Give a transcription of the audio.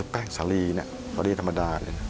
แป้งสลีวันนี้ธรรมดาเลย